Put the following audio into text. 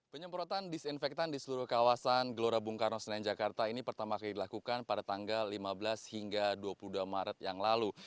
penyemprotan disinfektan di seluruh kawasan gelora bung karno senayan jakarta ini pertama kali dilakukan pada tanggal lima belas hingga dua puluh dua maret yang lalu